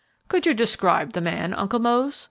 "Could you describe the man, Uncle Mose?"